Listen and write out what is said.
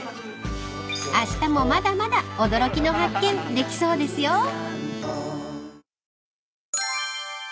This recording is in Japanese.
［あしたもまだまだ驚きの発見できそうですよ］